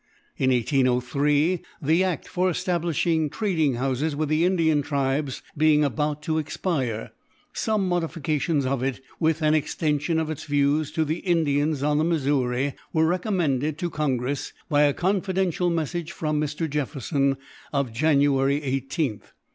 In 1803, the act for establishing trading houses with the Indian tribes being about to expire, [page 47:] some modifications of it (with an extension of its views to the Indians on the Missouri) were recommended to Congress by a confidential Message from Mr. Jefferson, of January 18th.